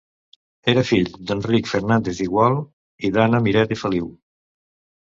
Era fill d'Enric Fernández i Gual i d'Anna Miret i Feliu.